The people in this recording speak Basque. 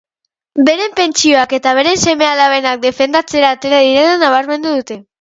Beren pentsioak eta beren seme-alabenak defendatzera atera direla nabarmendu dute.